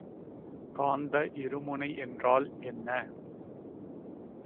காந்த இருமுனை என்றால் என்ன?